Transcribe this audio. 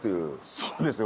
そうですね。